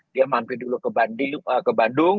dia mantri dulu ke bandung